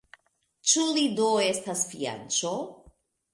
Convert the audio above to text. Ĉu li do estas fianĉo?